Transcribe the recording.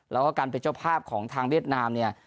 แล้วก็การเป็นเจ้าภาพของทางเวียดนามเนี่ย